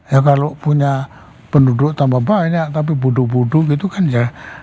ya kalau punya penduduk tambah banyak tapi bodoh bodoh gitu kan ya